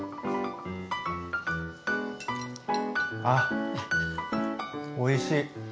ああおいしい！